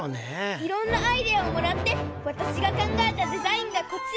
いろんなアイデアをもらってわたしがかんがえたデザインがこちら。